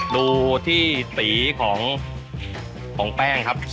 ดูที่สีของแป้งครับ